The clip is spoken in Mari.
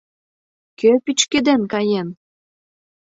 Кӧ пӱчкеден каен?!